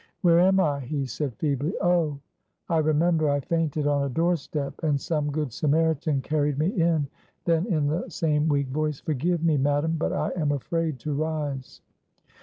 "Where am I?" he said, feebly; "oh, I remember, I fainted on a doorstep, and some good Samaritan carried me in;" then in the same weak voice, "Forgive me, madam, but I am afraid to rise."